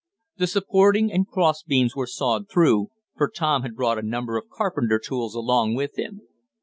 The supporting and cross beams were sawed through, for Tom had brought a number of carpenter tools along with him.